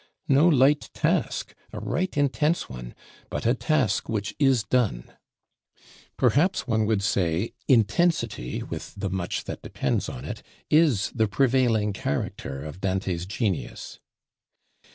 No light task; a right intense one: but a task which is done. Perhaps one would say, intensity, with the much that depends on it, is the prevailing character of Dante's genius.